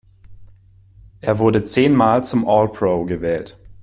Er wurde zehnmal zum All-Pro gewählt.